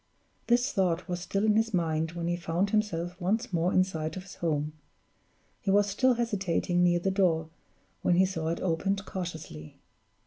This thought was still in his mind, when he found himself once more in sight of his home. He was still hesitating near the door, when he saw it opened cautiously.